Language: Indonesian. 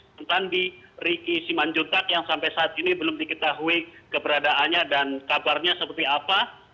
tentang di riki simanjuntak yang sampai saat ini belum diketahui keberadaannya dan kabarnya seperti apa